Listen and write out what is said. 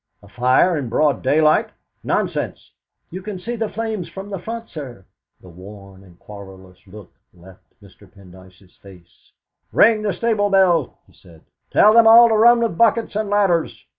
"A fire in broad daylight! Nonsense!" "You can see the flames from the front, sir." The worn and querulous look left Mr. Pendyce's face. "Ring the stable bell!" he said. "Tell them all to run with buckets and ladders.